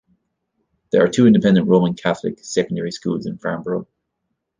There are two independent Roman Catholic secondary schools in Farnborough.